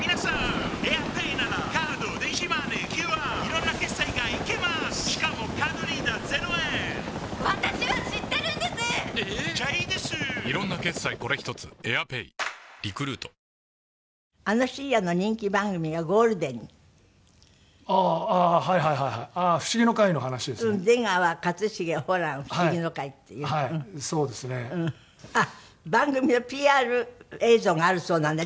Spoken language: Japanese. あっ番組のＰＲ映像があるそうなのでちょっと見ます。